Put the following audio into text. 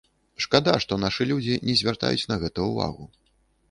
Шкада, што нашы людзі не звяртаюць на гэта ўвагу.